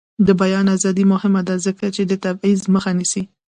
د بیان ازادي مهمه ده ځکه چې د تبعیض مخه نیسي.